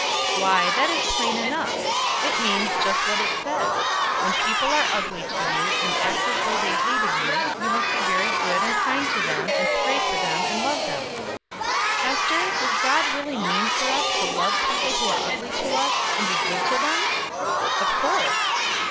'" "Why, that is plain enough. It means just what it says. When people are ugly to you, and act as though they hated you, you must be very good and kind to them, and pray for them, and love them." "Ester, does God really mean for us to love people who are ugly to us, and to be good to them?" "Of course."